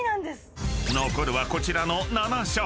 ［残るはこちらの７商品］